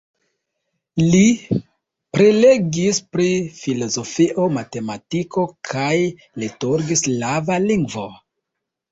Li prelegis pri filozofio, matematiko kaj liturg-slava lingvo.